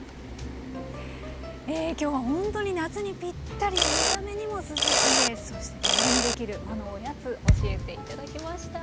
今日はほんとに夏にピッタリ見た目にも涼しげそして手軽にできる和のおやつ教えて頂きました。